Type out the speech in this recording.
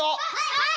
はい！